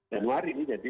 januari nih jadi